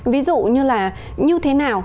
ví dụ như là như thế nào